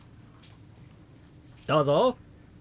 どうぞ！